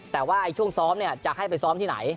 แต่ว่าช่วงซ้อมจะให้ไปซ้อมที่ไหน